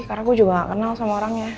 karena gue juga gak kenal sama orangnya